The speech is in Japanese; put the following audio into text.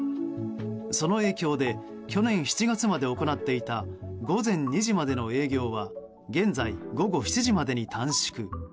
その影響で去年７月まで行っていた午前２時までの営業は現在、午後７時までに短縮。